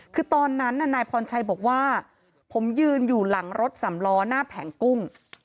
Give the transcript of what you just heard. คือตอนนั้นนายพรชัยบอกว่าผมยืนอยู่หลังรถสำล้อหน้าแผงกุ้ง